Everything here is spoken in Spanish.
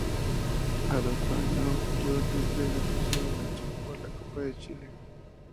Al otro año llegó Luis Vera y sólo alcanzó a jugar la Copa Chile.